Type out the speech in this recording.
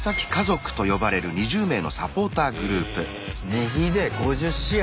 自費で５０試合！